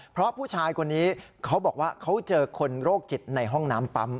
เพราะผู้ชายคนนี้เขาบอกว่าเขาเจอคนโรคจิตในห้องน้ำปั๊ม